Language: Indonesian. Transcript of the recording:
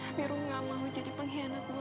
tapi rom gak mau jadi pengkhianat buat dia